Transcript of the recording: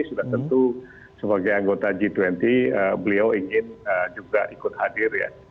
sudah tentu sebagai anggota g dua puluh beliau ingin juga ikut hadir ya